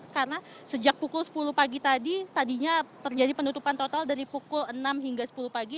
karena sejak pukul sepuluh pagi tadi tadinya terjadi penutupan total dari pukul enam hingga sepuluh pagi